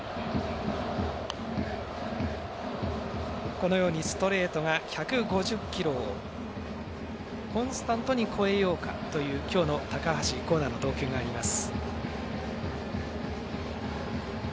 このようにストレートが１５０キロをコンスタントに超えようかという今日の高橋光成の投球があります。